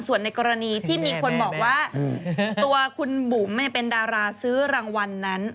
ส่วนในกรณีที่มีคนบอกว่าตัวคุณบุ๋มเป็นดาราซื้อรางวัลนั้น